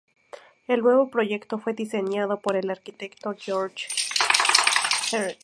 El nuevo proyecto fue diseñado por el arquitecto George Heres.